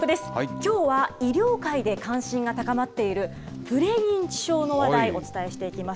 きょうは医療界で関心が高まっている、プレ認知症の話題、お伝えしていきます。